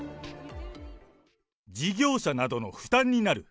事業者などの負担になる。